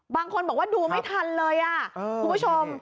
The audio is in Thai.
บางคนบอกว่าดูไม่ทันเลยคุณผู้ชม